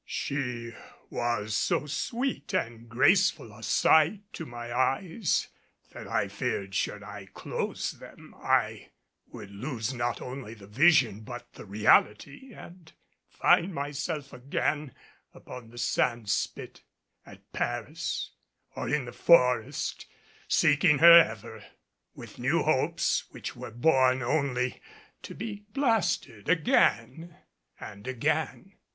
She was so sweet and graceful a sight to my eyes that I feared should I close them I would lose not only the vision but the reality, and find myself again upon the sand spit, at Paris, or in the forest, seeking her ever with new hopes which were born only to be blasted again and again.